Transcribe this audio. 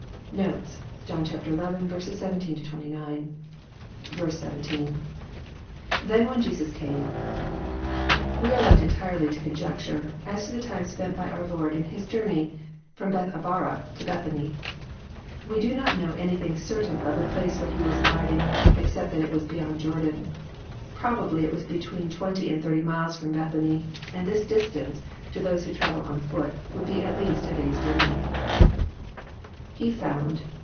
Notes. John XI. 17—29. 17. — IThen wJien Jesus came."] We are left entirely to coDJectnre as to the time spent by oar Lord in His Journey f^om Bethabara to Bethany. We do not know anything certain of the place where He was abiding, except that it was beyond Jordan. Probably it was between twenty and thirty miles from Bethany, and this distance, to those who travel on foot, woald be at least a day's journey. IHe found.